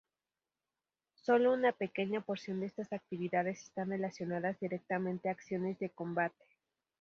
Sólo una pequeña porción de estas actividades están relacionadas directamente a acciones de combate.